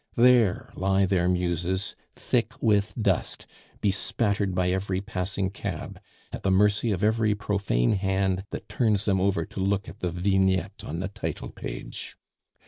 There lie their muses, thick with dust, bespattered by every passing cab, at the mercy of every profane hand that turns them over to look at the vignette on the title page.